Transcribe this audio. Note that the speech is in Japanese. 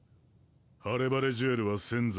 ハレバレジュエルは先祖